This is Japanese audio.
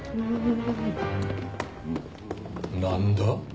何だ？